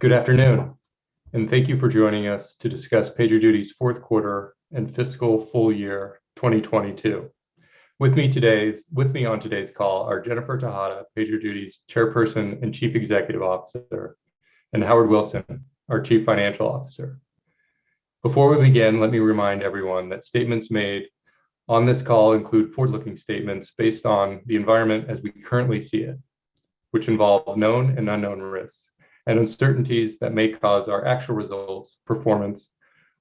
Good afternoon, and thank you for joining us to discuss PagerDuty's fourth quarter and fiscal full year 2022. With me on today's call are Jennifer Tejada, PagerDuty's Chairperson and Chief Executive Officer, and Howard Wilson, our Chief Financial Officer. Before we begin, let me remind everyone that statements made on this call include forward-looking statements based on the environment as we currently see it, which involve known and unknown risks, and uncertainties that may cause our actual results, performance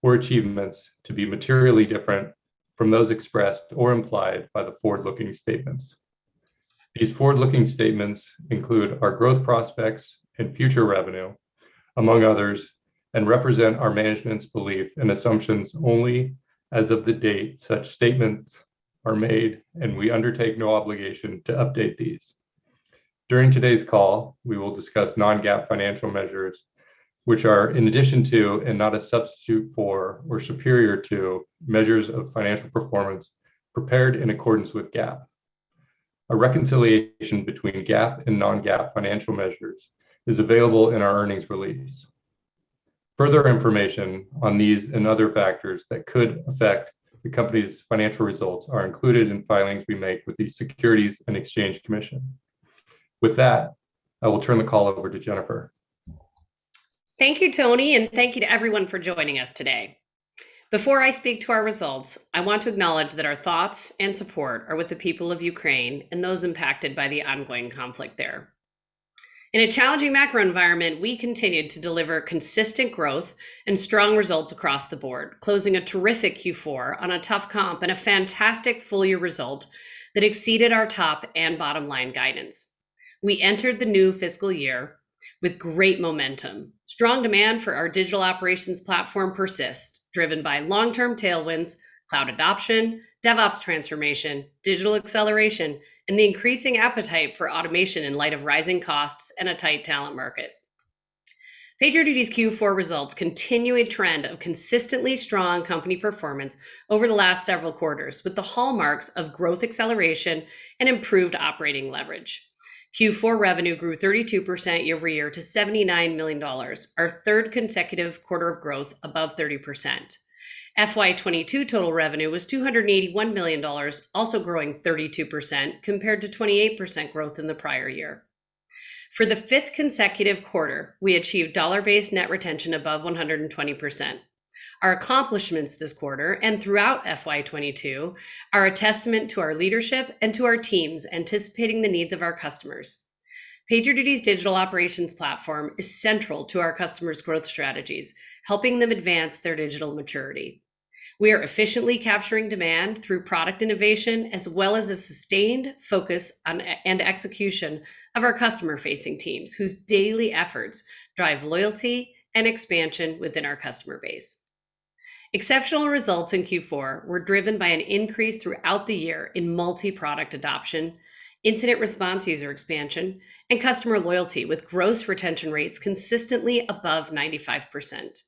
or achievements to be materially different from those expressed or implied by the forward-looking statements. These forward-looking statements include our growth prospects and future revenue, among others, and represent our management's belief and assumptions only as of the date such statements are made, and we undertake no obligation to update these. During today's call, we will discuss non-GAAP financial measures which are in addition to and not a substitute for or superior to measures of financial performance prepared in accordance with GAAP. A reconciliation between GAAP and non-GAAP financial measures is available in our earnings release. Further information on these and other factors that could affect the company's financial results are included in filings we make with the Securities and Exchange Commission. With that, I will turn the call over to Jennifer. Thank you, Tony, and thank you to everyone for joining us today. Before I speak to our results, I want to acknowledge that our thoughts and support are with the people of Ukraine and those impacted by the ongoing conflict there. In a challenging macro environment, we continued to deliver consistent growth and strong results across the board, closing a terrific Q4 on a tough comp and a fantastic full year result that exceeded our top and bottom line guidance. We entered the new fiscal year with great momentum. Strong demand for our digital operations platform persist, driven by long-term tailwinds, cloud adoption, DevOps transformation, digital acceleration, and the increasing appetite for automation in light of rising costs and a tight talent market. PagerDuty's Q4 results continue a trend of consistently strong company performance over the last several quarters, with the hallmarks of growth acceleration and improved operating leverage. Q4 revenue grew 32% year-over-year to $79 million, our third consecutive quarter of growth above 30%. FY 2022 total revenue was $281 million, also growing 32% compared to 28% growth in the prior year. For the fifth consecutive quarter, we achieved dollar-based net retention above 120%. Our accomplishments this quarter and throughout FY 2022 are a testament to our leadership and to our teams anticipating the needs of our customers. PagerDuty's Digital Operations platform is central to our customers' growth strategies, helping them advance their digital maturity. We are efficiently capturing demand through product innovation as well as a sustained focus on and execution of our customer facing teams, whose daily efforts drive loyalty and expansion within our customer base. Exceptional results in Q4 were driven by an increase throughout the year in multi-product adoption, incident response user expansion, and customer loyalty with gross retention rates consistently above 95%.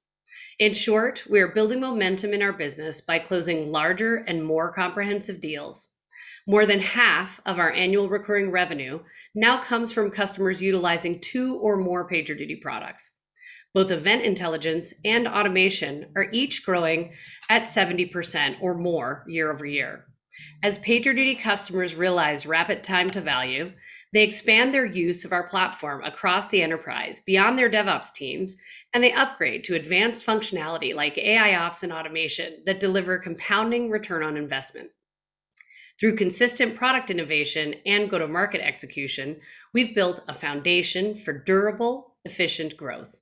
In short, we are building momentum in our business by closing larger and more comprehensive deals. More than half of our annual recurring revenue now comes from customers utilizing two or more PagerDuty products. Both Event Intelligence and automation are each growing at 70% or more year-over-year. As PagerDuty customers realize rapid time to value, they expand their use of our platform across the enterprise beyond their DevOps teams, and they upgrade to advanced functionality like AIOps and automation that deliver compounding return on investment. Through consistent product innovation and go-to-market execution, we've built a foundation for durable, efficient growth.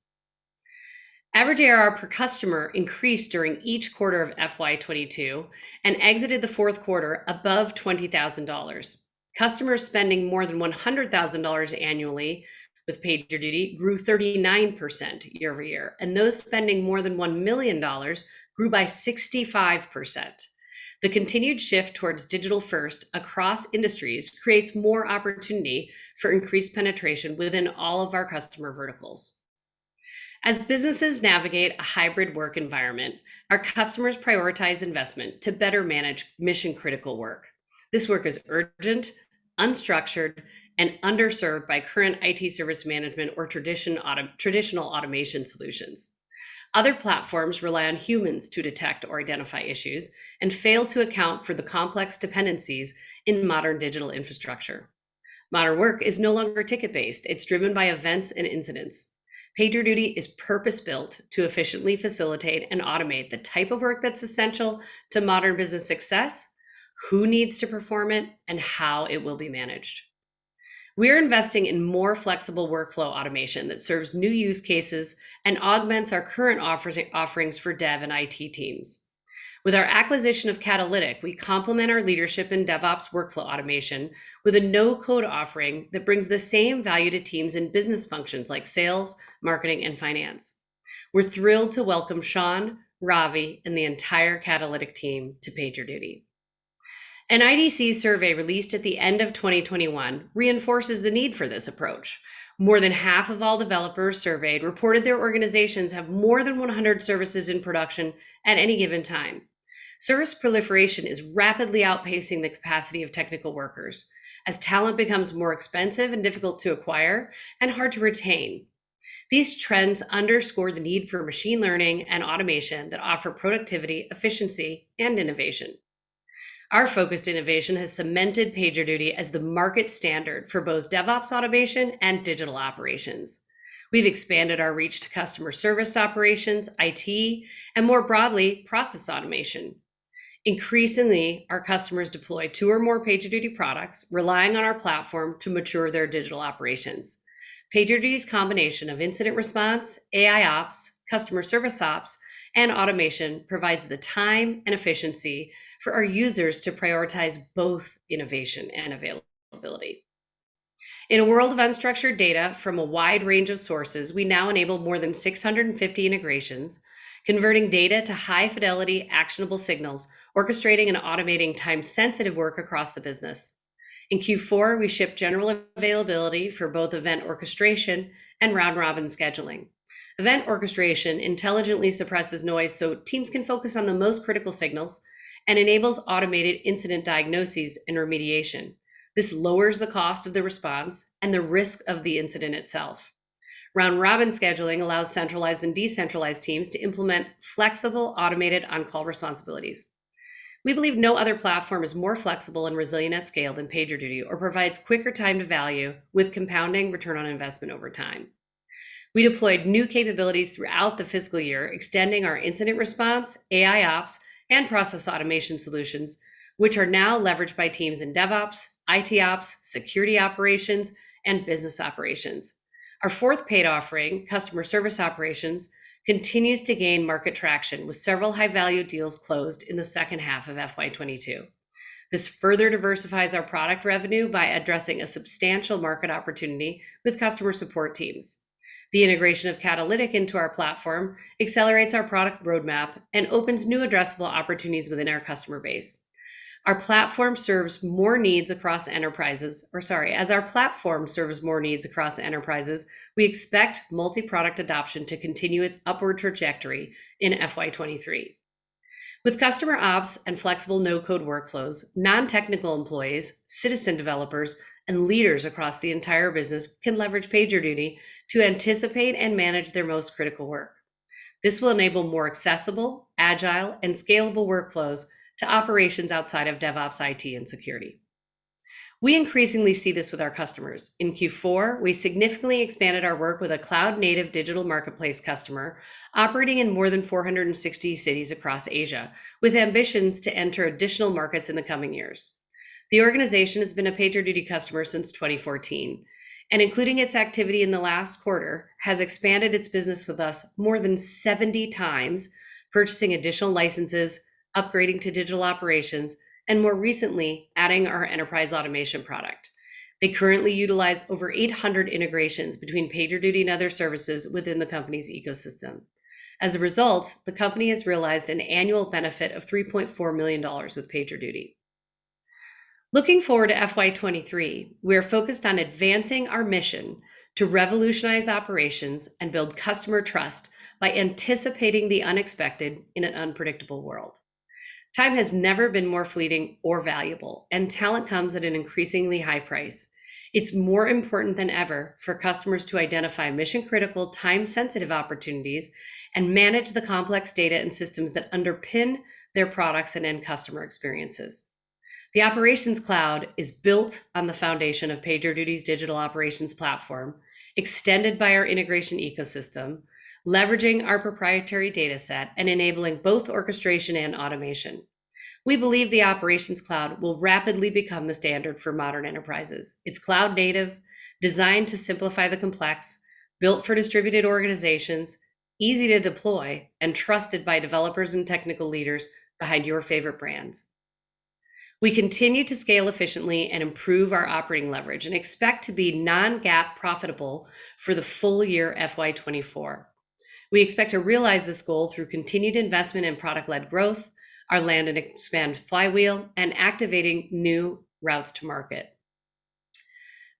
Average ARR per customer increased during each quarter of FY 2022 and exited the fourth quarter above $20,000. Customers spending more than $100,000 annually with PagerDuty grew 39% year-over-year, and those spending more than $1 million grew by 65%. The continued shift towards digital first across industries creates more opportunity for increased penetration within all of our customer verticals. As businesses navigate a hybrid work environment, our customers prioritize investment to better manage mission-critical work. This work is urgent, unstructured, and underserved by current IT service management or traditional automation solutions. Other platforms rely on humans to detect or identify issues and fail to account for the complex dependencies in modern digital infrastructure. Modern work is no longer ticket-based. It's driven by events and incidents. PagerDuty is purpose-built to efficiently facilitate and automate the type of work that's essential to modern business success, who needs to perform it, and how it will be managed. We're investing in more flexible workflow automation that serves new use cases and augments our current offerings for dev and IT teams. With our acquisition of Catalytic, we complement our leadership in DevOps workflow automation with a no-code offering that brings the same value to teams in business functions like sales, marketing, and finance. We're thrilled to welcome Sean, Ravi, and the entire Catalytic team to PagerDuty. An IDC survey released at the end of 2021 reinforces the need for this approach. More than half of all developers surveyed reported their organizations have more than 100 services in production at any given time. Service proliferation is rapidly outpacing the capacity of technical workers as talent becomes more expensive and difficult to acquire and hard to retain. These trends underscore the need for machine learning and automation that offer productivity, efficiency, and innovation. Our focused innovation has cemented PagerDuty as the market standard for both DevOps automation and digital operations. We've expanded our reach to customer service operations, IT, and more broadly, process automation. Increasingly, our customers deploy 2 or more PagerDuty products, relying on our platform to mature their digital operations. PagerDuty's combination of incident response, AIOps, customer service ops, and automation provides the time and efficiency for our users to prioritize both innovation and availability. In a world of unstructured data from a wide range of sources, we now enable more than 650 integrations, converting data to high-fidelity, actionable signals, orchestrating and automating time-sensitive work across the business. In Q4, we shipped general availability for both Event Orchestration and Round Robin Scheduling. Event Orchestration intelligently suppresses noise so teams can focus on the most critical signals and enables automated incident diagnosis and remediation. This lowers the cost of the response and the risk of the incident itself. Round Robin Scheduling allows centralized and decentralized teams to implement flexible automated on-call responsibilities. We believe no other platform is more flexible and resilient at scale than PagerDuty or provides quicker time to value with compounding return on investment over time. We deployed new capabilities throughout the fiscal year, extending our incident response, AIOps, and Process Automation solutions, which are now leveraged by teams in DevOps, ITOps, security operations, and business operations. Our fourth paid offering, Customer Service Operations, continues to gain market traction, with several high-value deals closed in the second half of FY 2022. This further diversifies our product revenue by addressing a substantial market opportunity with customer support teams. The integration of Catalytic into our platform accelerates our product roadmap and opens new addressable opportunities within our customer base. As our platform serves more needs across enterprises, we expect multi-product adoption to continue its upward trajectory in FY 2023. With customer ops and flexible no-code workflows, non-technical employees, citizen developers, and leaders across the entire business can leverage PagerDuty to anticipate and manage their most critical work. This will enable more accessible, agile, and scalable workflows to operations outside of DevOps, IT, and security. We increasingly see this with our customers. In Q4, we significantly expanded our work with a cloud-native digital marketplace customer operating in more than 460 cities across Asia, with ambitions to enter additional markets in the coming years. The organization has been a PagerDuty customer since 2014 and including its activity in the last quarter, has expanded its business with us more than 70 times, purchasing additional licenses, upgrading to Digital Operations, and more recently, adding our enterprise automation product. They currently utilize over 800 integrations between PagerDuty and other services within the company's ecosystem. As a result, the company has realized an annual benefit of $3.4 million with PagerDuty. Looking forward to FY 2023, we are focused on advancing our mission to revolutionize operations and build customer trust by anticipating the unexpected in an unpredictable world. Time has never been more fleeting or valuable, and talent comes at an increasingly high price. It's more important than ever for customers to identify mission-critical, time-sensitive opportunities and manage the complex data and systems that underpin their products and end customer experiences. The Operations Cloud is built on the foundation of PagerDuty's digital operations platform, extended by our integration ecosystem, leveraging our proprietary data set, and enabling both orchestration and automation. We believe the Operations Cloud will rapidly become the standard for modern enterprises. It's cloud-native, designed to simplify the complex, built for distributed organizations, easy to deploy, and trusted by developers and technical leaders behind your favorite brands. We continue to scale efficiently and improve our operating leverage and expect to be non-GAAP profitable for the full year FY 2024. We expect to realize this goal through continued investment in product-led growth, our land and expand flywheel, and activating new routes to market.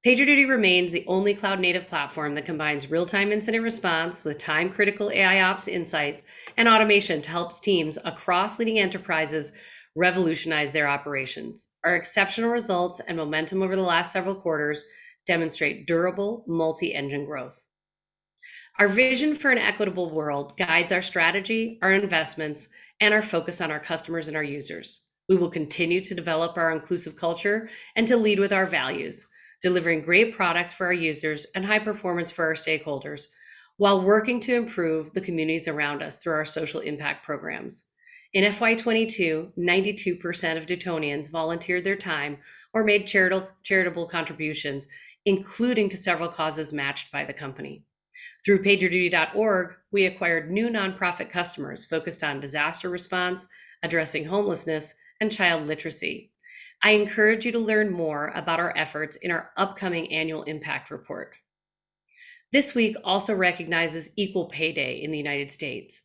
PagerDuty remains the only cloud-native platform that combines real-time incident response with time-critical AIOps insights and automation to help teams across leading enterprises revolutionize their operations. Our exceptional results and momentum over the last several quarters demonstrate durable multi-engine growth. Our vision for an equitable world guides our strategy, our investments, and our focus on our customers and our users. We will continue to develop our inclusive culture and to lead with our values, delivering great products for our users and high performance for our stakeholders while working to improve the communities around us through our social impact programs. In FY 2022, 92% of Dutonians volunteered their time or made charitable contributions, including to several causes matched by the company. Through pagerduty.org, we acquired new nonprofit customers focused on disaster response, addressing homelessness, and child literacy. I encourage you to learn more about our efforts in our upcoming annual impact report. This week also recognizes Equal Pay Day in the United States.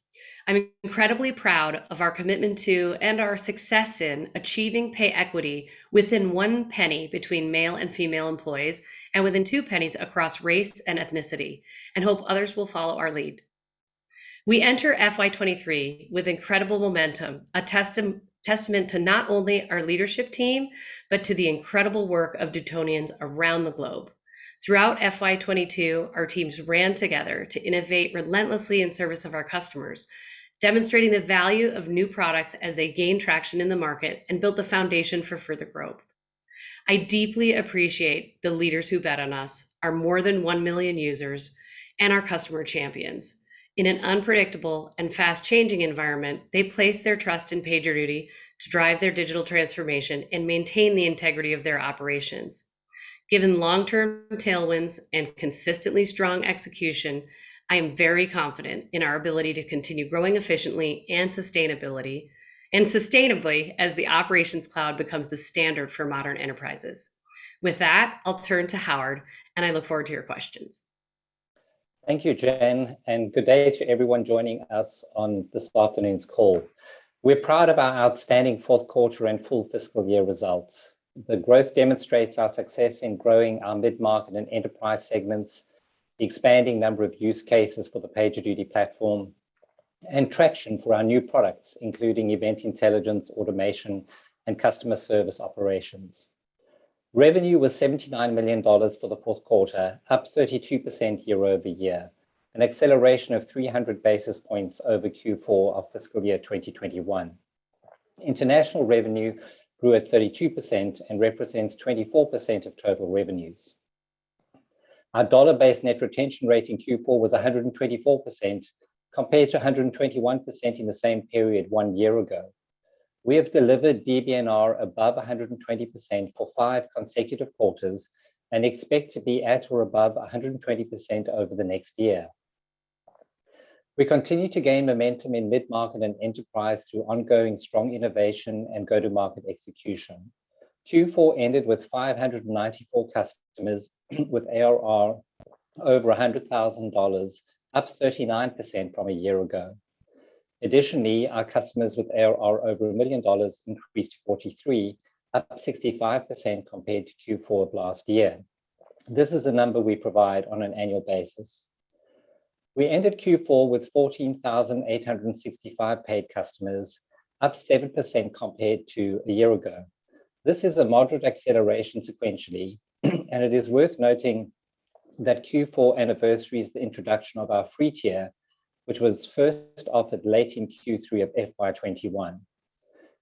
I'm incredibly proud of our commitment to and our success in achieving pay equity within one penny between male and female employees and within two pennies across race and ethnicity and hope others will follow our lead. We enter FY 2023 with incredible momentum, a testament to not only our leadership team, but to the incredible work of Dutonians around the globe. Throughout FY 2022, our teams ran together to innovate relentlessly in service of our customers, demonstrating the value of new products as they gained traction in the market and built the foundation for further growth. I deeply appreciate the leaders who bet on us, our more than 1 million users, and our customer champions. In an unpredictable and fast-changing environment, they place their trust in PagerDuty to drive their digital transformation and maintain the integrity of their operations. Given long-term tailwinds and consistently strong execution, I am very confident in our ability to continue growing efficiently and sustainably as the operations cloud becomes the standard for modern enterprises. With that, I'll turn to Howard, and I look forward to your questions. Thank you, Jen, and good day to everyone joining us on this afternoon's call. We're proud of our outstanding fourth quarter and full fiscal year results. The growth demonstrates our success in growing our mid-market and enterprise segments, the expanding number of use cases for the PagerDuty platform, and traction for our new products, including Event Intelligence, Automation Actions, and Customer Service Operations. Revenue was $79 million for the fourth quarter, up 32% year-over-year, an acceleration of 300 basis points over Q4 of fiscal year 2021. International revenue grew at 32% and represents 24% of total revenues. Our dollar-based net retention rate in Q4 was 124% compared to 121% in the same period one year ago. We have delivered DBNR above 120% for five consecutive quarters and expect to be at or above 120% over the next year. We continue to gain momentum in mid-market and enterprise through ongoing strong innovation and go-to-market execution. Q4 ended with 594 customers with ARR over $100,000, up 39% from a year ago. Additionally, our customers with ARR over $1 million increased to 43, up 65% compared to Q4 of last year. This is a number we provide on an annual basis. We ended Q4 with 14,865 paid customers, up 7% compared to a year ago. This is a moderate acceleration sequentially, and it is worth noting that Q4 is the anniversary of the introduction of our free tier, which was first offered late in Q3 of FY 2021.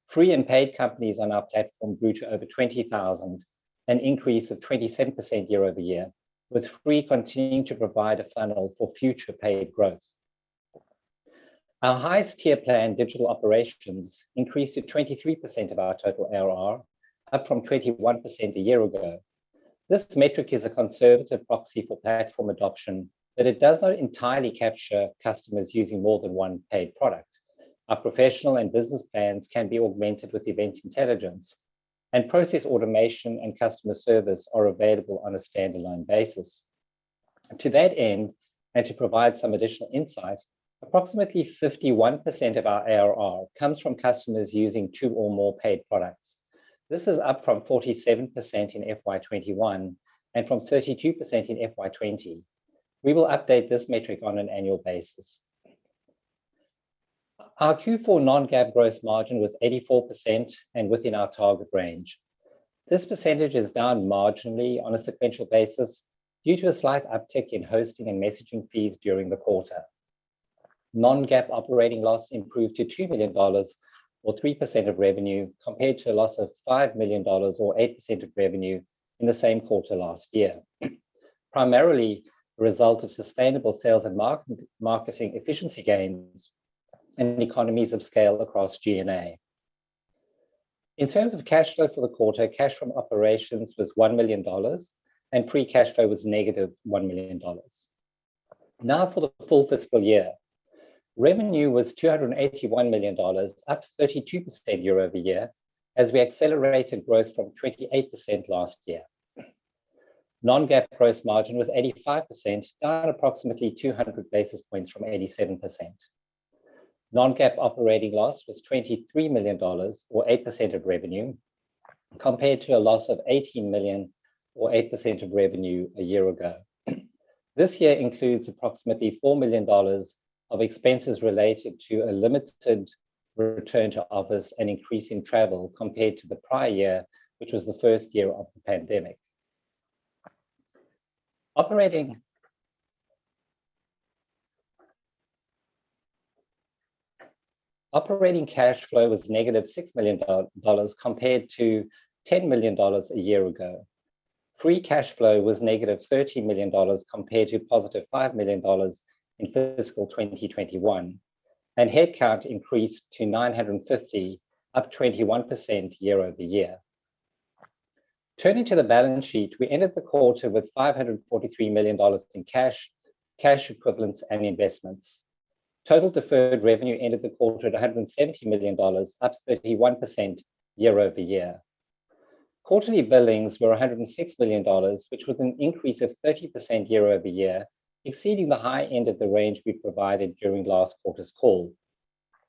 Free and paid companies on our platform grew to over 20,000, an increase of 27% year-over-year, with free continuing to provide a funnel for future paid growth. Our highest tier plan, Digital Operations, increased to 23% of our total ARR, up from 21% a year ago. This metric is a conservative proxy for platform adoption, but it does not entirely capture customers using more than one paid product. Our professional and business plans can be augmented with Event Intelligence, and Process Automation and customer service are available on a standalone basis. To that end, and to provide some additional insight, approximately 51% of our ARR comes from customers using two or more paid products. This is up from 47% in FY 2021 and from 32% in FY 2020. We will update this metric on an annual basis. Our Q4 non-GAAP gross margin was 84% and within our target range. This percentage is down marginally on a sequential basis due to a slight uptick in hosting and messaging fees during the quarter. Non-GAAP operating loss improved to $2 million or 3% of revenue compared to a loss of $5 million or 8% of revenue in the same quarter last year, primarily a result of sustainable sales and marketing efficiency gains and economies of scale across G&A. In terms of cash flow for the quarter, cash from operations was $1 million, and free cash flow was -$1 million. Now for the full fiscal year. Revenue was $281 million, up 32% year-over-year, as we accelerated growth from 28% last year. non-GAAP gross margin was 85%, down approximately 200 basis points from 87%. non-GAAP operating loss was $23 million or 8% of revenue, compared to a loss of $18 million or 8% of revenue a year ago. This year includes approximately $4 million of expenses related to a limited return to office and increase in travel compared to the prior year, which was the first year of the pandemic. Operating cash flow was negative $6 million, compared to $10 million a year ago. Free cash flow was negative $13 million compared to positive $5 million in fiscal 2021, and headcount increased to 950, up 21% year-over-year. Turning to the balance sheet, we ended the quarter with $543 million in cash equivalents, and investments. Total deferred revenue ended the quarter at $170 million, up 31% year-over-year. Quarterly billings were $106 million, which was an increase of 30% year-over-year, exceeding the high end of the range we provided during last quarter's call.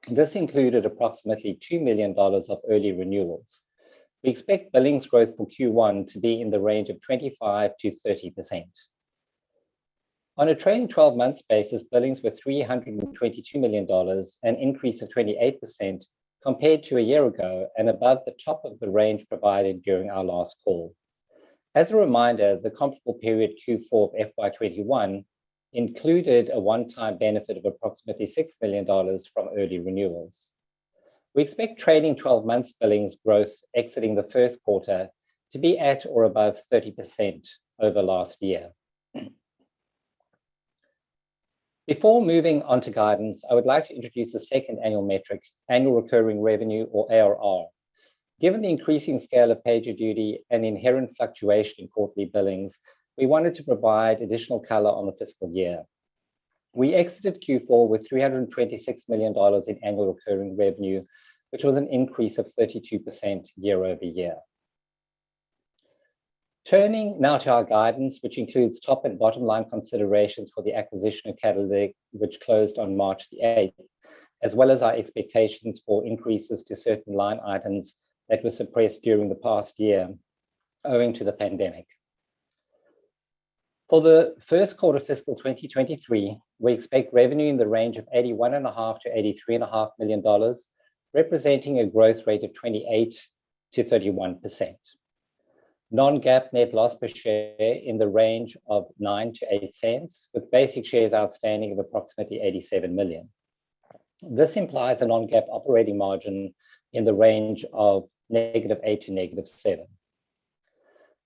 This included approximately $2 million of early renewals. We expect billings growth for Q1 to be in the range of 25%-30%. On a trailing twelve-month basis, billings were $322 million, an increase of 28% compared to a year ago and above the top of the range provided during our last call. As a reminder, the comparable period Q4 of FY 2021 included a one-time benefit of approximately $6 million from early renewals. We expect trailing twelve months billings growth exiting the first quarter to be at or above 30% over last year. Before moving on to guidance, I would like to introduce the second annual metric, annual recurring revenue or ARR. Given the increasing scale of PagerDuty and inherent fluctuation in quarterly billings, we wanted to provide additional color on the fiscal year. We exited Q4 with $326 million in annual recurring revenue, which was an increase of 32% year-over-year. Turning now to our guidance, which includes top and bottom line considerations for the acquisition of Catalytic, which closed on March 8, as well as our expectations for increases to certain line items that were suppressed during the past year owing to the pandemic. For the first quarter fiscal 2023, we expect revenue in the range of $81.5 million-$83.5 million, representing a growth rate of 28%-31%. non-GAAP net loss per share in the range of - $0.09 to - $0.08, with basic shares outstanding of approximately 87 million. This implies a non-GAAP operating margin in the range of -8% to -7%.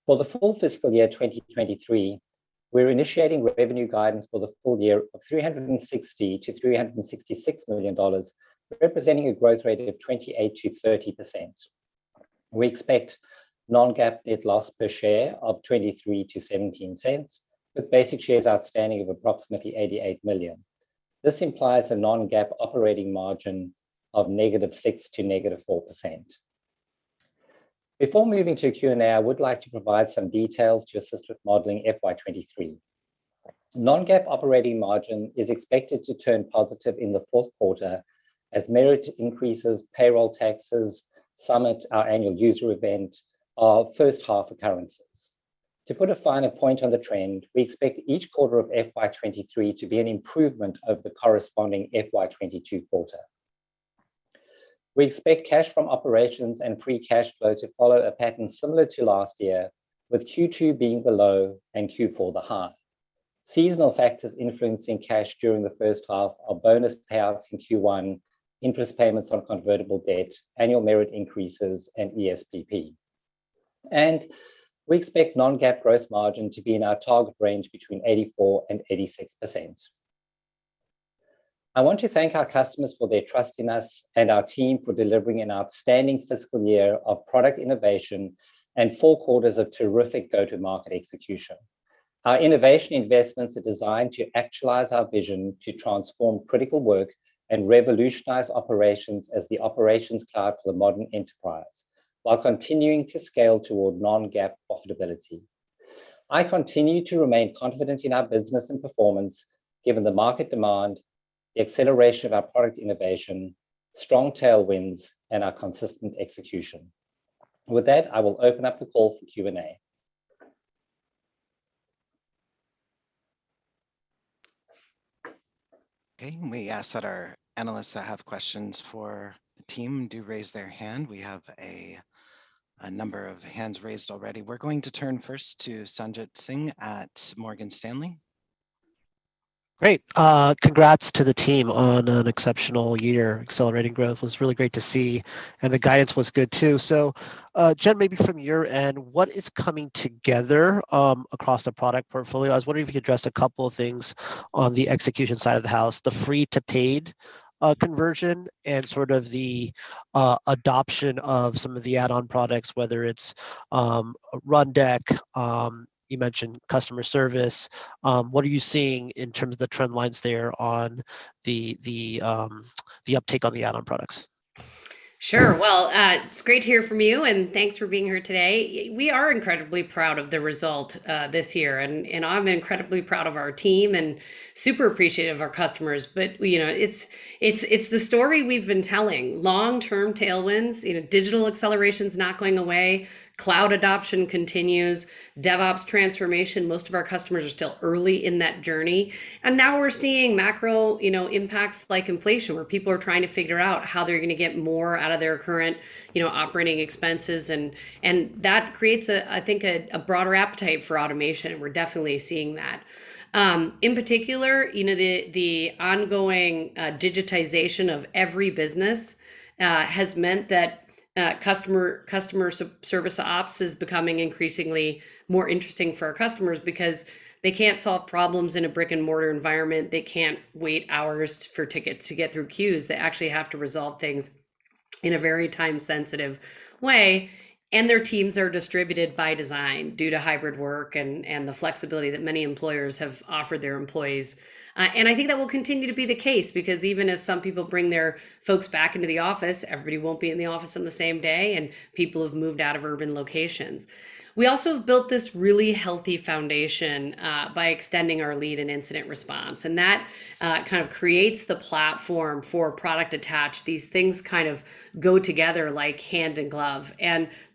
For the full fiscal year 2023, we're initiating revenue guidance for the full year of $360 million-$366 million, representing a growth rate of 28%-30%. We expect non-GAAP net loss per share of - $0.23 to - $0.17, with basic shares outstanding of approximately 88 million. This implies a non-GAAP operating margin of -6% to -4%. Before moving to Q&A, I would like to provide some details to assist with modeling FY 2023. Non-GAAP operating margin is expected to turn positive in the fourth quarter as merit increases, payroll taxes, Summit, our annual user event, are first half occurrences. To put a finer point on the trend, we expect each quarter of FY 2023 to be an improvement over the corresponding FY 2022 quarter. We expect cash from operations and free cash flow to follow a pattern similar to last year, with Q2 being the low and Q4 the high. Seasonal factors influencing cash during the first half are bonus payouts in Q1, interest payments on convertible debt, annual merit increases, and ESPP. We expect non-GAAP gross margin to be in our target range between 84%-86%. I want to thank our customers for their trust in us and our team for delivering an outstanding fiscal year of product innovation and four quarters of terrific go-to-market execution. Our innovation investments are designed to actualize our vision to transform critical work and revolutionize operations as the operations cloud for the modern enterprise while continuing to scale toward non-GAAP profitability. I continue to remain confident in our business and performance given the market demand, the acceleration of our product innovation, strong tailwinds, and our consistent execution. With that, I will open up the call for Q&A. Okay. We ask that our analysts that have questions for the team do raise their hand. We have a number of hands raised already. We're going to turn first to Sanjit Singh at Morgan Stanley. Great. Congrats to the team on an exceptional year. Accelerating growth was really great to see, and the guidance was good too. Jen, maybe from your end, what is coming together across the product portfolio? I was wondering if you could address a couple of things on the execution side of the house, the free to paid conversion and sort of the adoption of some of the add-on products, whether it's Rundeck, you mentioned customer service. What are you seeing in terms of the trend lines there on the uptake on the add-on products? Sure. Well, it's great to hear from you, and thanks for being here today. We are incredibly proud of the result this year, and I'm incredibly proud of our team and super appreciative of our customers. You know, it's the story we've been telling. Long-term tailwinds. You know, digital acceleration's not going away. Cloud adoption continues. DevOps transformation, most of our customers are still early in that journey. Now we're seeing macro, you know, impacts like inflation, where people are trying to figure out how they're gonna get more out of their current, you know, operating expenses, and that creates a, I think, a broader appetite for automation, and we're definitely seeing that. In particular, you know, the ongoing digitization of every business has meant that customer service ops is becoming increasingly more interesting for our customers because they can't solve problems in a brick-and-mortar environment. They can't wait hours for tickets to get through queues. They actually have to resolve things in a very time-sensitive way, and their teams are distributed by design due to hybrid work and the flexibility that many employers have offered their employees. I think that will continue to be the case because even as some people bring their folks back into the office, everybody won't be in the office on the same day, and people have moved out of urban locations. We also have built this really healthy foundation by extending our lead in incident response, and that kind of creates the platform for product attach. These things kind of go together like hand and glove.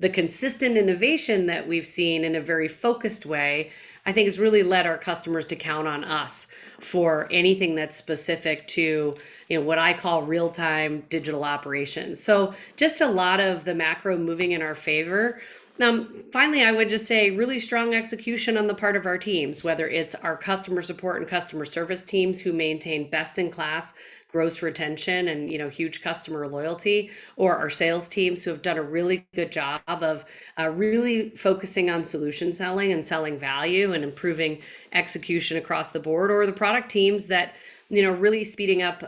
The consistent innovation that we've seen in a very focused way, I think, has really led our customers to count on us for anything that's specific to, you know, what I call real time digital operations. Just a lot of the macro moving in our favor. Finally, I would just say really strong execution on the part of our teams, whether it's our customer support and customer service teams who maintain best in class gross retention and, you know, huge customer loyalty, or our sales teams who have done a really good job of really focusing on solution selling and selling value and improving execution across the board, or the product teams that, you know, are really speeding up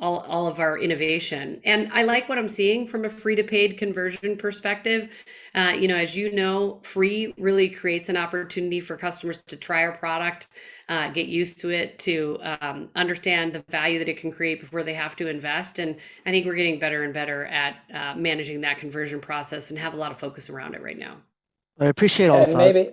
all of our innovation. I like what I'm seeing from a free to paid conversion perspective. You know, as you know, free really creates an opportunity for customers to try our product, get used to it, to understand the value that it can create before they have to invest. I think we're getting better and better at managing that conversion process and have a lot of focus around it right now. I appreciate all the thought. And maybe-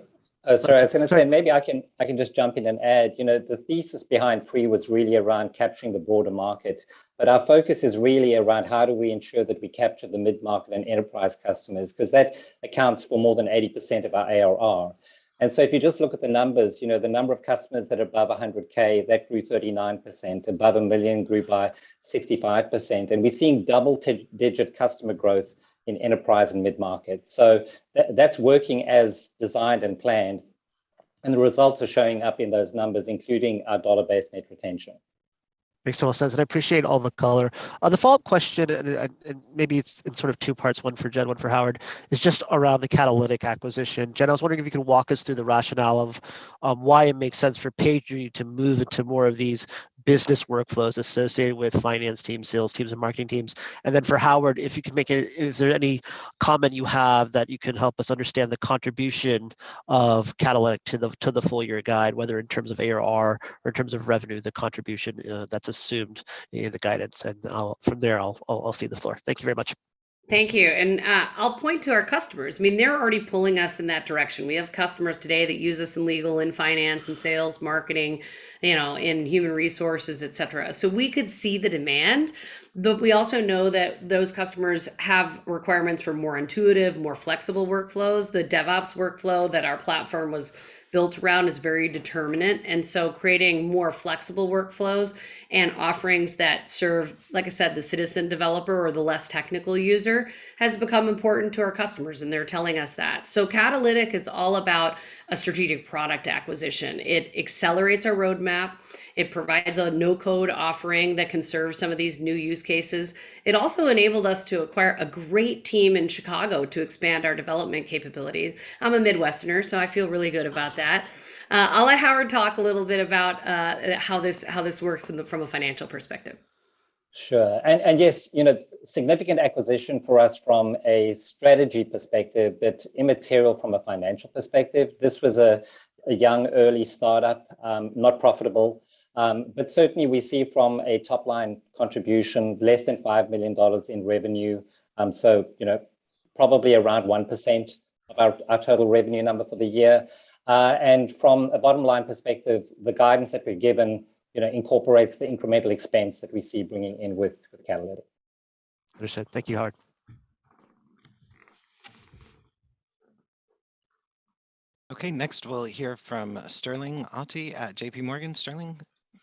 Oh, sorry. Oh, sorry. I was gonna say, maybe I can just jump in and add, you know, the thesis behind free was really around capturing the broader market, but our focus is really around how do we ensure that we capture the mid-market and enterprise customers 'cause that accounts for more than 80% of our ARR. If you just look at the numbers, you know, the number of customers that are above $100K, that grew 39%. Above $1 million grew by 65%, and we're seeing double-digit customer growth in enterprise and mid-market. That's working as designed and planned, and the results are showing up in those numbers, including our dollar-based net retention. Makes a lot of sense, and I appreciate all the color. The follow-up question, and maybe it's in sort of two parts, one for Jen, one for Howard, is just around the Catalytic acquisition. Jen, I was wondering if you could walk us through the rationale of why it makes sense for PagerDuty to move into more of these business workflows associated with finance teams, sales teams, and marketing teams. And then for Howard, is there any comment you have that you can help us understand the contribution of Catalytic to the full year guide, whether in terms of ARR or in terms of revenue, the contribution that's assumed in the guidance? And from there, I'll cede the floor. Thank you very much. Thank you. I'll point to our customers. I mean, they're already pulling us in that direction. We have customers today that use us in legal, in finance, in sales, marketing, you know, in human resources, et cetera. We could see the demand, but we also know that those customers have requirements for more intuitive, more flexible workflows. The DevOps workflow that our platform was built around is very deterministic, and creating more flexible workflows and offerings that serve, like I said, the citizen developer or the less technical user has become important to our customers, and they're telling us that. Catalytic is all about a strategic product acquisition. It accelerates our roadmap. It provides a no-code offering that can serve some of these new use cases. It also enabled us to acquire a great team in Chicago to expand our development capabilities. I'm a Midwesterner, so I feel really good about that. I'll let Howard talk a little bit about how this works from a financial perspective. Sure. Yes, you know, significant acquisition for us from a strategy perspective, but immaterial from a financial perspective. This was a young, early startup, not profitable. Certainly we see from a top-line contribution less than $5 million in revenue. You know, probably around 1% of our total revenue number for the year. From a bottom line perspective, the guidance that we've given, you know, incorporates the incremental expense that we see bringing in with Catalytic. Appreciate it. Thank you, Howard. Okay. Next, we'll hear from Sterling Auty at JP Morgan. Sterling,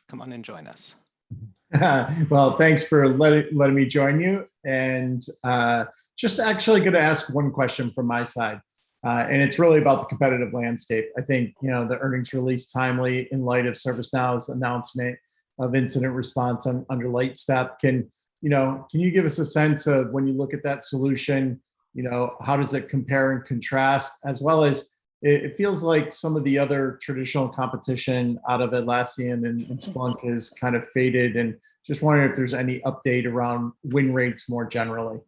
come on and join us. Well, thanks for letting me join you. Just actually gonna ask one question from my side, and it's really about the competitive landscape. I think, you know, the earnings release timely in light of ServiceNow's announcement of incident response under Lightstep. Can, you know, you give us a sense of when you look at that solution, you know, how does it compare and contrast? As well as it feels like some of the other traditional competition out of Atlassian and Splunk has kind of faded and just wondering if there's any update around win rates more generally.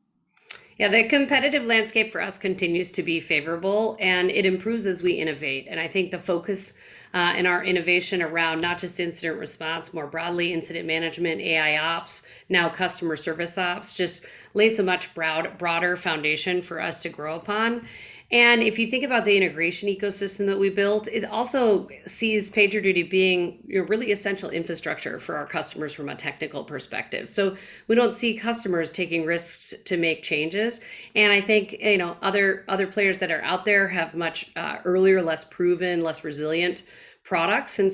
Yeah. The competitive landscape for us continues to be favorable, and it improves as we innovate. I think the focus in our innovation around not just incident response, more broadly incident management, AI ops, now customer service ops, just lays a much broader foundation for us to grow upon. If you think about the integration ecosystem that we built, it also sees PagerDuty being, you know, really essential infrastructure for our customers from a technical perspective. We don't see customers taking risks to make changes. I think, you know, other players that are out there have much earlier, less proven, less resilient products. You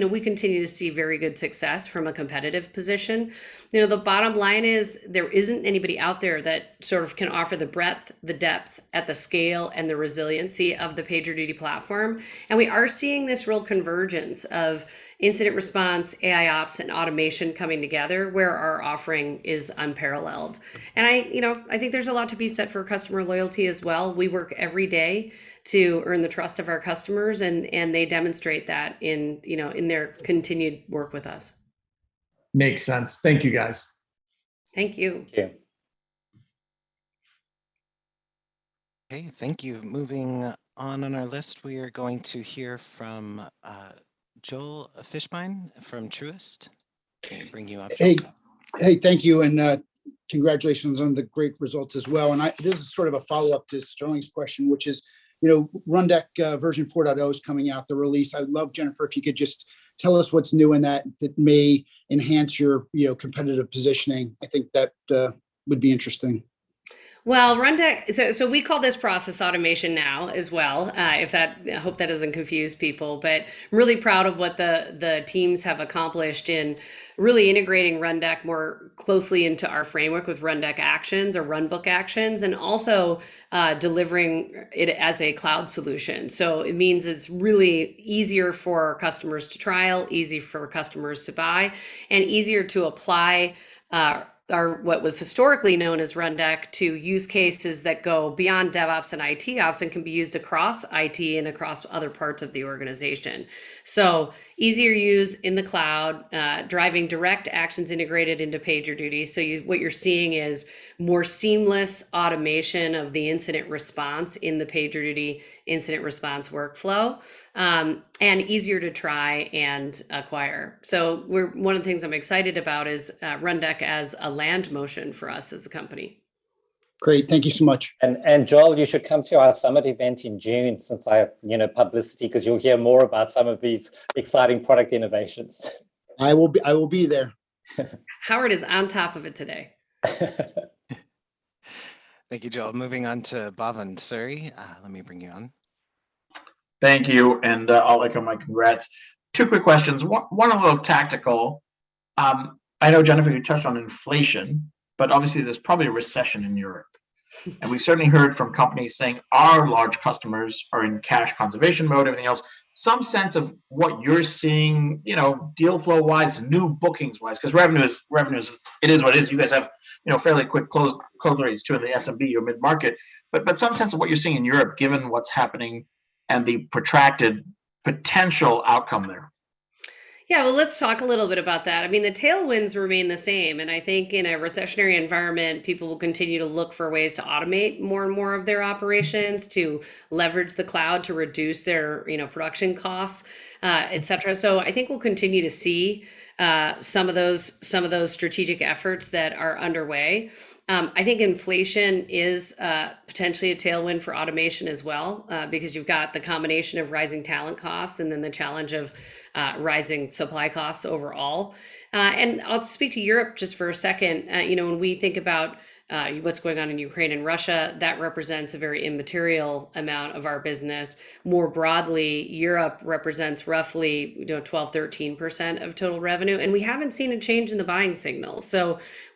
know, we continue to see very good success from a competitive position. You know, the bottom line is there isn't anybody out there that sort of can offer the breadth, the depth at the scale, and the resiliency of the PagerDuty platform. We are seeing this real convergence of incident response, AIOps, and automation coming together, where our offering is unparalleled. I, you know, I think there's a lot to be said for customer loyalty as well. We work every day to earn the trust of our customers, and they demonstrate that in, you know, in their continued work with us. Makes sense. Thank you, guys. Thank you. Thank you. Okay, thank you. Moving on our list, we are going to hear from Joel Fishbein from Truist. Let me bring you up front. Hey. Hey, thank you, and, congratulations on the great results as well. This is sort of a follow-up to Sterling's question, which is, you know, Rundeck version 4.0 is coming out, the release. I would love, Jennifer, if you could just tell us what's new in that may enhance your, you know, competitive positioning. I think that would be interesting. Well, Rundeck, so we call this Process Automation now as well, if that I hope that doesn't confuse people. Really proud of what the teams have accomplished in really integrating Rundeck more closely into our framework with Rundeck actions or Automation Actions, and also delivering it as a cloud solution. It means it's really easier for our customers to trial, easy for customers to buy, and easier to apply our what was historically known as Rundeck to use cases that go beyond DevOps and ITOps, and can be used across IT and across other parts of the organization. Easier to use in the cloud driving direct actions integrated into PagerDuty. You what you're seeing is more seamless automation of the incident response in the PagerDuty incident response workflow, and easier to try and acquire. We're... One of the things I'm excited about is Rundeck as a land motion for us as a company. Great, thank you so much. Joel, you should come to our summit event in June since I have, you know, publicity, 'cause you'll hear more about some of these exciting product innovations. I will be there. Howard is on top of it today. Thank you, Joel. Moving on to Bhavin Suri. Let me bring you on. Thank you, and I'll echo my congrats. Two quick questions. One, a little tactical. I know Jennifer you touched on inflation, but obviously there's probably a recession in Europe. Mm. We've certainly heard from companies saying our large customers are in cash conservation mode, everything else. Some sense of what you're seeing, you know, deal flow-wise, new bookings-wise, 'cause revenue is, it is what it is. You guys have, you know, fairly quick close rates to the S&P or mid-market. Some sense of what you're seeing in Europe given what's happening and the protracted potential outcome there. Yeah, well let's talk a little bit about that. I mean, the tailwinds remain the same, and I think in a recessionary environment, people will continue to look for ways to automate more and more of their operations, to leverage the cloud to reduce their, you know, production costs, et cetera. So I think we'll continue to see some of those strategic efforts that are underway. I think inflation is potentially a tailwind for automation as well, because you've got the combination of rising talent costs and then the challenge of rising supply costs overall. And I'll speak to Europe just for a second. You know, when we think about what's going on in Ukraine and Russia, that represents a very immaterial amount of our business. More broadly, Europe represents roughly, you know, 12%-13% of total revenue, and we haven't seen a change in the buying signal.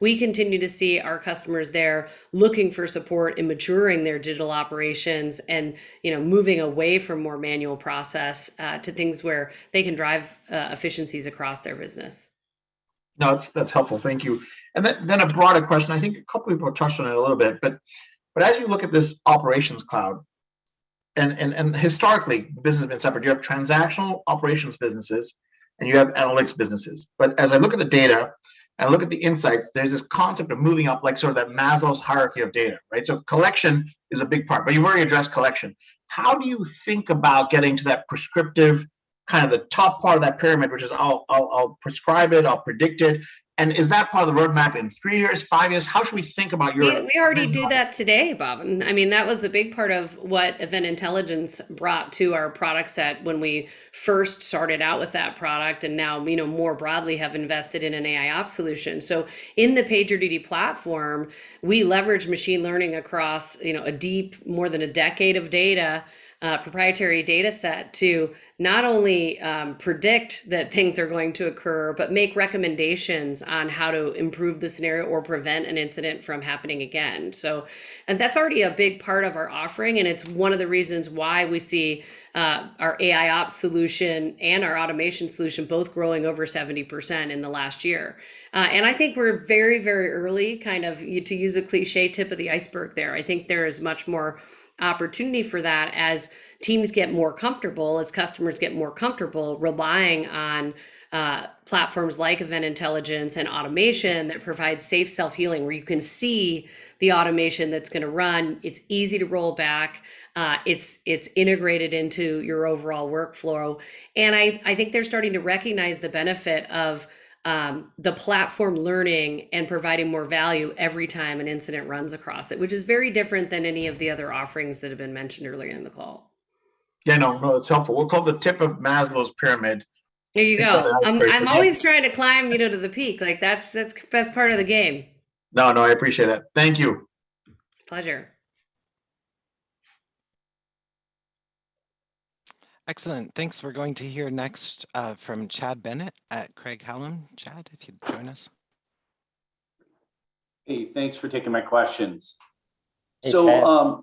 We continue to see our customers there looking for support in maturing their digital operations and, you know, moving away from more manual process to things where they can drive efficiencies across their business. No, that's helpful, thank you. A broader question. I think a couple people touched on it a little bit, but as you look at this Operations Cloud, and historically the business has been separate, you have transactional operations businesses, and you have analytics businesses. As I look at the data and I look at the insights, there's this concept of moving up, like sort of that Maslow's hierarchy of data, right? Collection is a big part, but you've already addressed collection. How do you think about getting to that prescriptive kind of the top part of that pyramid, which is I'll prescribe it, I'll predict it? Is that part of the roadmap in three years, five years? How should we think about your end product? Yeah, we already do that today, Bhavin. I mean, that was a big part of what Event Intelligence brought to our product set when we first started out with that product, and now, you know, more broadly have invested in an AIOps solution. In the PagerDuty platform, we leverage machine learning across, you know, a deep more than a decade of data, proprietary data set, to not only predict that things are going to occur, but make recommendations on how to improve the scenario or prevent an incident from happening again. That's already a big part of our offering, and it's one of the reasons why we see our AIOps solution and our automation solution both growing over 70% in the last year. I think we're very early, kind of, to use a cliché, tip of the iceberg there. I think there is much more opportunity for that as teams get more comfortable, as customers get more comfortable relying on platforms like Event Intelligence and automation that provides safe self-healing, where you can see the automation that's gonna run. It's easy to roll back, it's integrated into your overall workflow. I think they're starting to recognize the benefit of the platform learning and providing more value every time an incident runs across it, which is very different than any of the other offerings that have been mentioned earlier in the call. Yeah, no, that's helpful. We'll call the tip of Maslow's pyramid. There you go. is where PagerDuty is. I'm always trying to climb, you know, to the peak. Like, that's the best part of the game. No, no, I appreciate it. Thank you. Pleasure. Excellent. Thanks. We're going to hear next from Chad Bennett at Craig-Hallum. Chad, if you'd join us. Hey, thanks for taking my questions. Hey, Chad.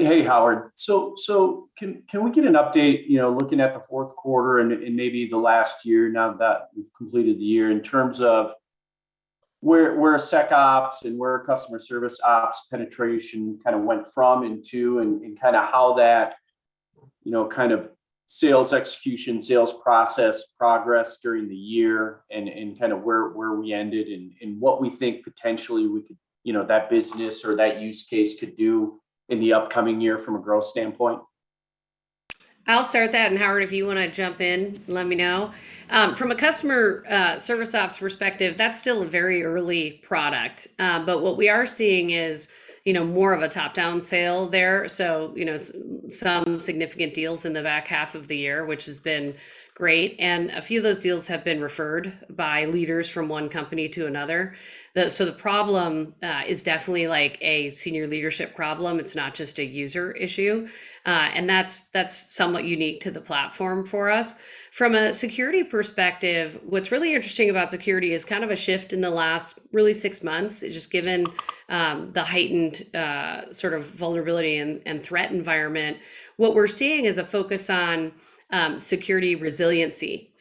Hey, Howard. Can we get an update, you know, looking at the fourth quarter and maybe the last year now that we've completed the year in terms of where SecOps and where customer service ops penetration kind of went from and to, and kind of how that, you know, kind of sales execution, sales process progress during the year and kind of where we ended and what we think potentially we could, you know, that business or that use case could do in the upcoming year from a growth standpoint. I'll start that, and Howard, if you wanna jump in, let me know. From a customer service ops perspective, that's still a very early product. What we are seeing is, you know, more of a top-down sale there. You know, some significant deals in the back half of the year, which has been great, and a few of those deals have been referred by leaders from one company to another. The problem is definitely, like, a senior leadership problem. It's not just a user issue, and that's somewhat unique to the platform for us. From a security perspective, what's really interesting about security is kind of a shift in the last really six months, just given the heightened sort of vulnerability and threat environment. What we're seeing is a focus on security resiliency.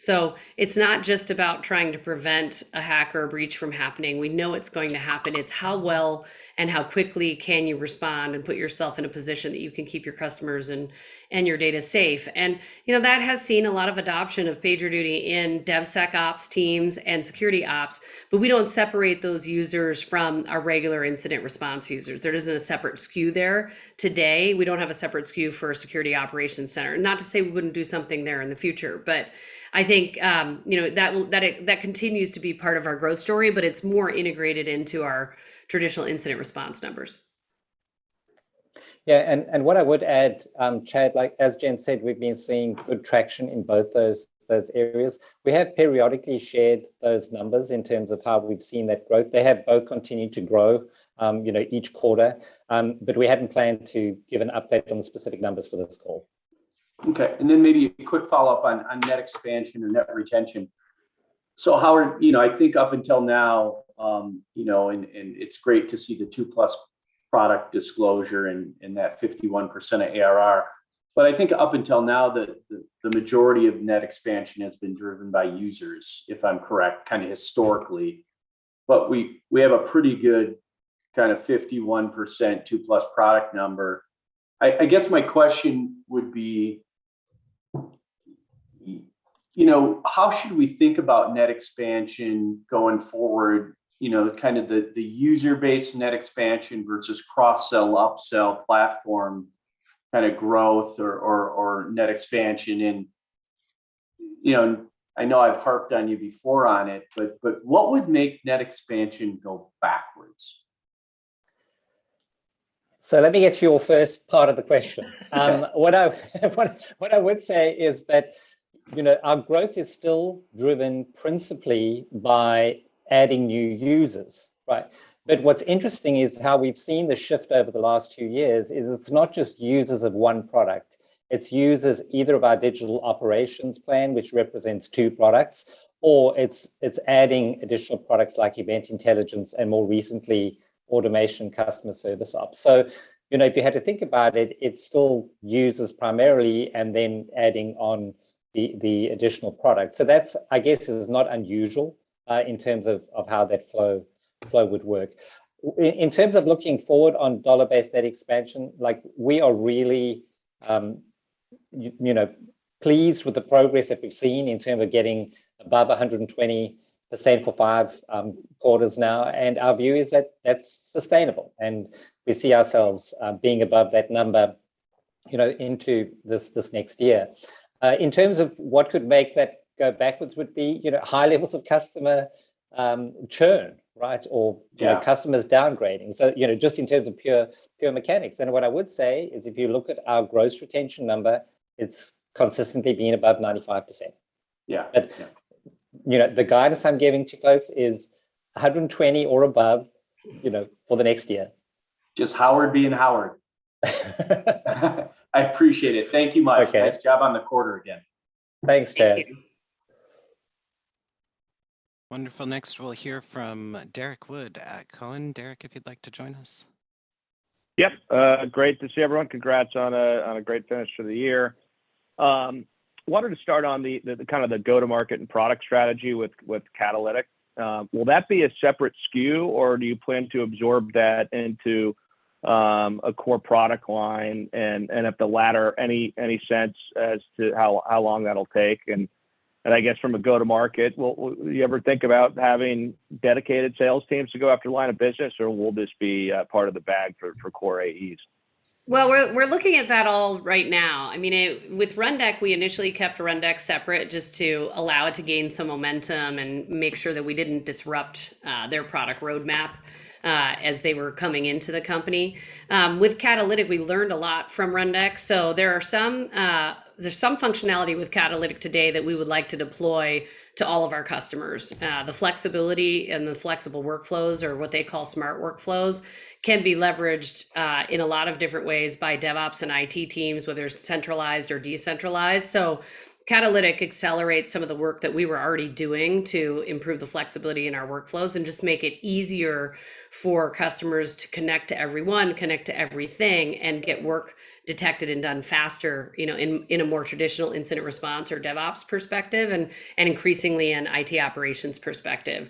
It's not just about trying to prevent a hack or a breach from happening. We know it's going to happen. It's how well and how quickly can you respond and put yourself in a position that you can keep your customers and your data safe? You know, that has seen a lot of adoption of PagerDuty in DevSecOps teams and security ops, but we don't separate those users from our regular incident response users. There isn't a separate SKU there today. We don't have a separate SKU for a security operations center. Not to say we wouldn't do something there in the future, but I think, you know, that continues to be part of our growth story, but it's more integrated into our traditional incident response numbers. Yeah, what I would add, Chad, like, as Jen said, we've been seeing good traction in both those areas. We have periodically shared those numbers in terms of how we've seen that growth. They have both continued to grow, you know, each quarter, but we hadn't planned to give an update on the specific numbers for this call. Okay, maybe a quick follow-up on net expansion or net retention. Howard, you know, I think up until now, you know, and it's great to see the two plus product disclosure in that 51% of ARR. But I think up until now the majority of net expansion has been driven by users, if I'm correct, kind of historically. But we have a pretty good kind of 51%, two plus product number. I guess my question would be, you know, how should we think about net expansion going forward. You know, kind of the user base net expansion versus cross sell, upsell platform kind of growth or net expansion in. You know, I know I've harped on you before on it, but what would make net expansion go backwards. Let me get to your first part of the question. Okay. What I would say is that, you know, our growth is still driven principally by adding new users, right? What's interesting is how we've seen the shift over the last two years is it's not just users of one product. It's users either of our Digital Operations plan, which represents two products, or it's adding additional products like Event Intelligence and more recently Automation Customer Service Ops. You know, if you had to think about it's still users primarily and then adding on the additional product. That's, I guess, not unusual in terms of how that flow would work. In terms of looking forward on dollar-based net expansion, like, we are really, you know, pleased with the progress that we've seen in terms of getting above 120% for five quarters now, and our view is that that's sustainable, and we see ourselves being above that number, you know, into this next year. In terms of what could make that go backwards would be, you know, high levels of customer churn, right? Or- Yeah You know, customers downgrading, so, you know, just in terms of pure mechanics. What I would say is if you look at our gross retention number, it's consistently been above 95%. Yeah. You know, the guidance I'm giving to folks is 120 or above, you know, for the next year. Just Howard being Howard. I appreciate it. Thank you much. Okay. Nice job on the quarter again. Thanks, Chad. Thank you. Wonderful. Next we'll hear from Derrick Wood at Cowen. Derek, if you'd like to join us. Yep. Great to see everyone. Congrats on a great finish for the year. Wanted to start on the kind of the go to market and product strategy with Catalytic. Will that be a separate SKU, or do you plan to absorb that into a core product line? If the latter, any sense as to how long that'll take? I guess from a go to market, will you ever think about having dedicated sales teams to go after line of business, or will this be part of the bag for core AEs? Well, we're looking at that all right now. I mean, with Rundeck, we initially kept Rundeck separate just to allow it to gain some momentum and make sure that we didn't disrupt their product roadmap as they were coming into the company. With Catalytic, we learned a lot from Rundeck, so there's some functionality with Catalytic today that we would like to deploy to all of our customers. The flexibility and the flexible workflows or what they call Incident Workflows can be leveraged in a lot of different ways by DevOps and IT teams, whether it's centralized or decentralized. Catalytic accelerates some of the work that we were already doing to improve the flexibility in our workflows and just make it easier for customers to connect to everyone, connect to everything, and get work detected and done faster, you know, in a more traditional incident response or DevOps perspective and increasingly an IT operations perspective.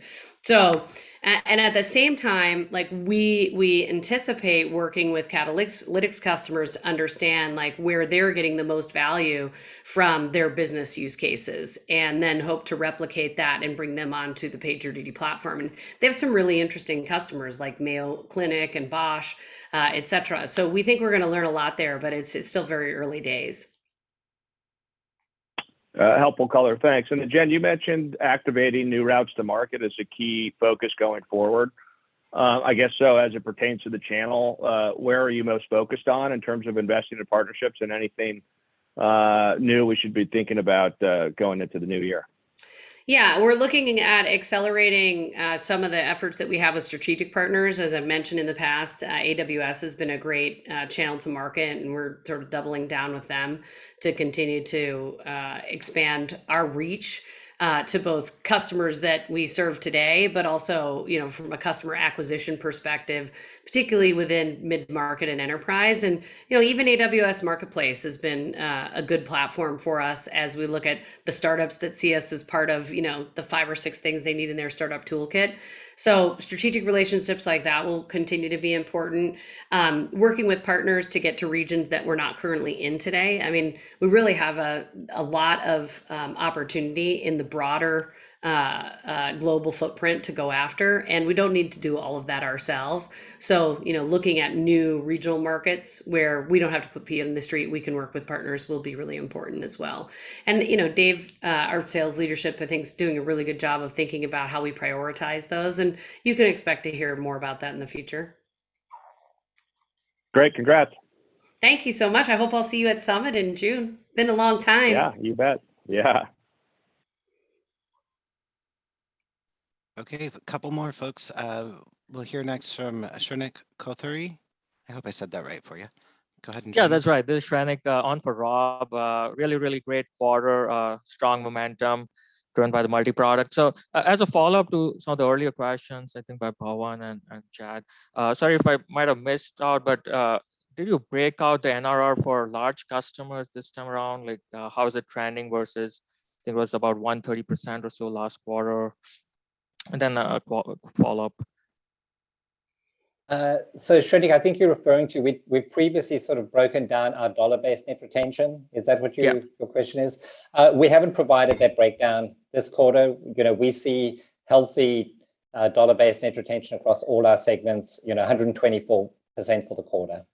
At the same time, like, we anticipate working with Catalytic customers to understand, like, where they're getting the most value from their business use cases and then hope to replicate that and bring them onto the PagerDuty platform. They have some really interesting customers like Mayo Clinic and Bosch, et cetera. We think we're gonna learn a lot there, but it's still very early days. Helpful color. Thanks. Then Jen, you mentioned activating new routes to market as a key focus going forward. I guess, so as it pertains to the channel, where are you most focused on in terms of investing in partnerships, and anything new we should be thinking about going into the new year? Yeah. We're looking at accelerating some of the efforts that we have with strategic partners. As I've mentioned in the past, AWS has been a great channel to market, and we're sort of doubling down with them to continue to expand our reach to both customers that we serve today, but also, you know, from a customer acquisition perspective, particularly within mid-market and enterprise. You know, even AWS Marketplace has been a good platform for us as we look at the startups that see us as part of, you know, the five or six things they need in their startup toolkit. Strategic relationships like that will continue to be important. Working with partners to get to regions that we're not currently in today. I mean, we really have a lot of opportunity in the broader global footprint to go after, and we don't need to do all of that ourselves. You know, looking at new regional markets where we don't have to put feet in the street, we can work with partners, will be really important as well. You know, Dave, our sales leadership I think is doing a really good job of thinking about how we prioritize those, and you can expect to hear more about that in the future. Great. Congrats. Thank you so much. I hope I'll see you at Summit in June. It's been a long time. Yeah, you bet. Yeah. Okay, a couple more folks. We'll hear next from Shrenik Kothari. I hope I said that right for you. Go ahead and- Yeah, that's right. This is Shrenik on for Rob. Really great quarter. Strong momentum driven by the multi-product. As a follow-up to some of the earlier questions I think by Bhavin and Chad, sorry if I might have missed out, but did you break out the NRR for large customers this time around? Like, how is it trending versus. It was about 130% or so last quarter. A follow-up. Shrenik, I think you're referring to, we've previously sort of broken down our dollar-based net retention. Is that what you- Yeah Your question is? We haven't provided that breakdown this quarter. You know, we see healthy dollar-based net retention across all our segments, you know, 124% for the quarter.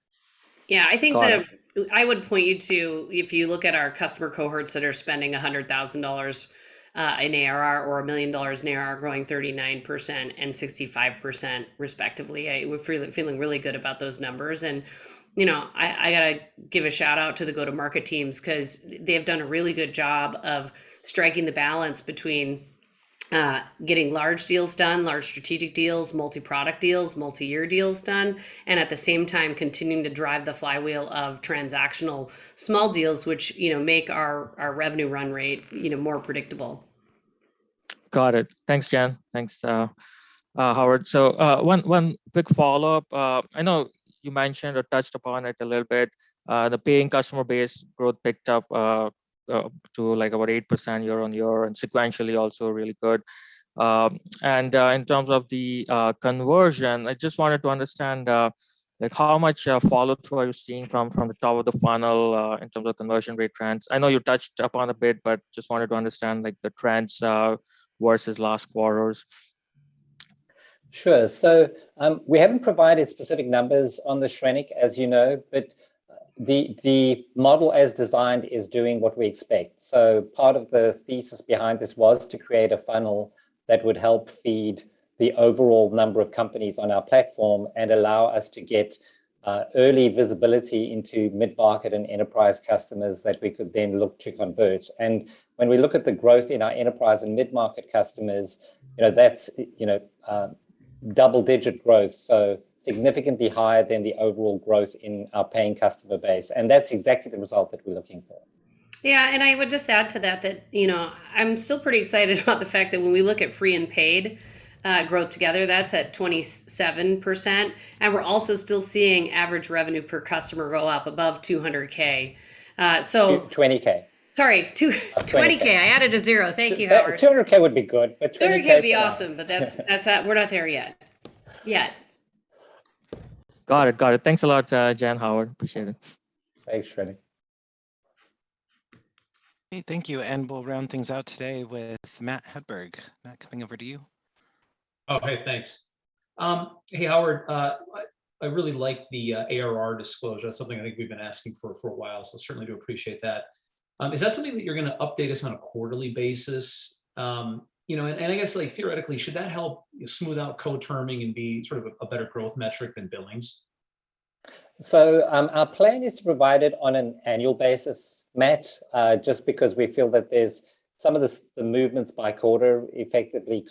Yeah. I think Got it. I would point you to, if you look at our customer cohorts that are spending $100,000 in ARR or $1 million in ARR are growing 39% and 65% respectively. We're feeling really good about those numbers. You know, I gotta give a shout-out to the go-to-market teams 'cause they have done a really good job of striking the balance between getting large deals done, large strategic deals, multi-product deals, multi-year deals done, and at the same time continuing to drive the flywheel of transactional small deals, which, you know, make our revenue run rate more predictable. Got it. Thanks, Jen. Thanks, Howard. One quick follow-up. I know you mentioned or touched upon it a little bit, the paying customer base growth picked up to, like, about 8% year-over-year, and sequentially also really good. In terms of the conversion, I just wanted to understand, like how much follow-through are you seeing from the top of the funnel, in terms of conversion rate trends? I know you touched upon a bit, but just wanted to understand like the trends versus last quarters. Sure. We haven't provided specific numbers on this, Shrenik, as you know, but the model as designed is doing what we expect. Part of the thesis behind this was to create a funnel that would help feed the overall number of companies on our platform and allow us to get early visibility into mid-market and enterprise customers that we could then look to convert. When we look at the growth in our enterprise and mid-market customers, you know, that's, you know, double-digit growth, so significantly higher than the overall growth in our paying customer base, and that's exactly the result that we're looking for. Yeah. I would just add to that, you know, I'm still pretty excited about the fact that when we look at free and paid growth together, that's at 27%, and we're also still seeing average revenue per customer roll up above $200K. 20,000. Sorry, $220,000. 20K. I added a zero. Thank you, Howard. $200K would be good, but $20K- 30K would be awesome. is where I'm We're not there yet. Got it. Thanks a lot, Jen, Howard. Appreciate it. Thanks, Shrenik. Okay, thank you. We'll round things out today with Matthew Hedberg. Matt, coming over to you. Oh, hey, thanks. Hey, Howard. I really like the ARR disclosure. That's something I think we've been asking for for a while, so certainly do appreciate that. Is that something that you're gonna update us on a quarterly basis? You know, I guess, like, theoretically, should that help smooth out co-terming and be sort of a better growth metric than billings? Our plan is to provide it on an annual basis, Matt, just because we feel that there's some of the movements by quarter effectively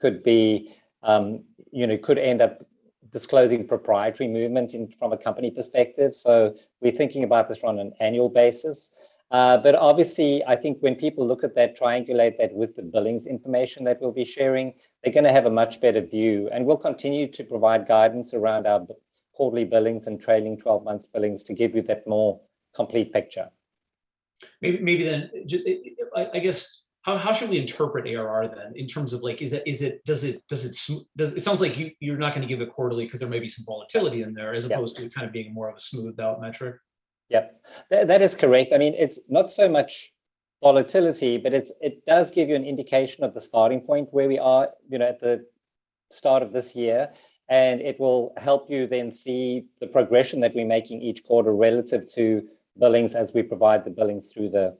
could be, you know, could end up disclosing proprietary movement in, from a company perspective. We're thinking about this on an annual basis. But obviously I think when people look at that, triangulate that with the billings information that we'll be sharing, they're gonna have a much better view. We'll continue to provide guidance around our quarterly billings and trailing twelve months billings to give you that more complete picture. Maybe then I guess how should we interpret ARR then in terms of like, is it, does it smooth. It sounds like you're not gonna give it quarterly 'cause there may be some volatility in there. Yeah as opposed to kind of being more of a smoothed out metric. Yeah. That is correct. I mean, it's not so much volatility, but it does give you an indication of the starting point where we are, you know, at the start of this year, and it will help you then see the progression that we're making each quarter relative to billings as we provide the billings through the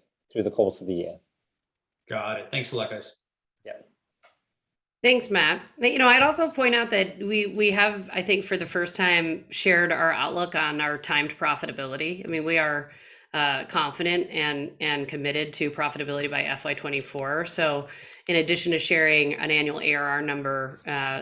course of the year. Got it. Thanks a lot, guys. Yeah. Thanks, Matt. You know, I'd also point out that we have, I think for the first time, shared our outlook on our timed profitability. I mean, we are confident and committed to profitability by FY 2024. In addition to sharing an annual ARR number,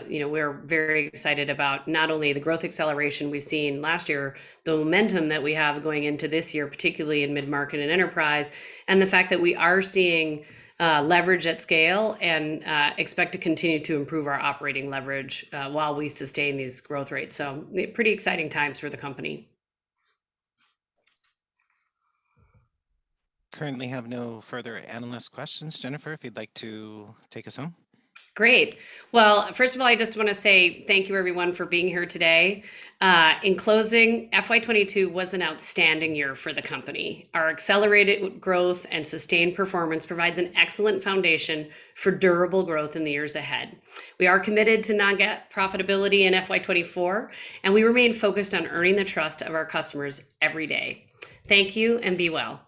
you know, we're very excited about not only the growth acceleration we've seen last year, the momentum that we have going into this year, particularly in mid-market and enterprise, and the fact that we are seeing leverage at scale and expect to continue to improve our operating leverage while we sustain these growth rates. Pretty exciting times for the company. Currently have no further analyst questions. Jennifer, if you'd like to take us home? Great. Well, first of all, I just wanna say thank you everyone for being here today. In closing, FY 2022 was an outstanding year for the company. Our accelerated growth and sustained performance provides an excellent foundation for durable growth in the years ahead. We are committed to now get profitability in FY 2024, and we remain focused on earning the trust of our customers every day. Thank you, and be well.